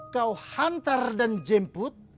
kau hantar dan jemput